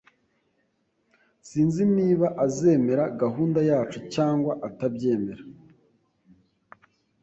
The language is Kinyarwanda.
Sinzi niba azemera gahunda yacu cyangwa atabyemera.